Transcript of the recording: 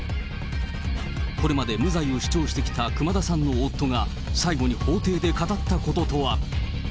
これまで無罪を主張してきた熊田さんの夫が、最後に法廷で語ったこととは。